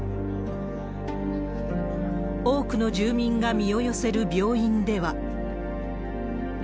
多くの住民が身を寄せる病院では。